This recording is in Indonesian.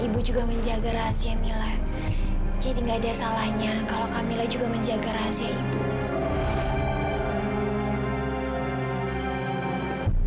ibu juga menjaga rahasia mila jadi nggak ada salahnya kalau kamilah juga menjaga rahasia ibu